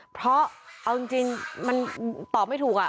เพราะเอาจริงมันตอบไม่ถูก